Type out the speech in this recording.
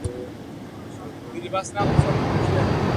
تاریخي تحولاتو نتیجه کې خپلې کړې دي